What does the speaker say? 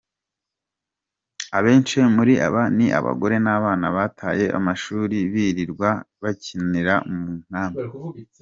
Abenshi muri aba ni abagore n’abana bataye amashuri birirwa bakinira mu nkambi.